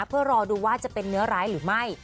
เพื่อรอดูว่าจะเป็นเนื้อร้ายหรือไม่